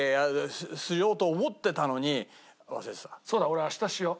俺明日しよ。